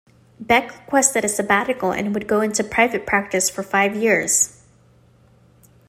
Beck requested a sabbatical and would go into private practice for five years.